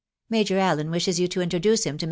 .... Major Allen wishes tou to introduce him to Mb.